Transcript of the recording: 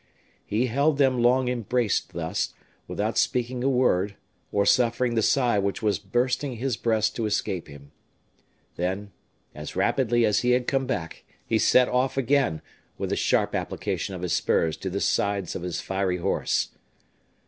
He held them long embraced thus, without speaking a word, or suffering the sigh which was bursting his breast to escape him. Then, as rapidly as he had come back, he set off again, with a sharp application of his spurs to the sides of his fiery horse.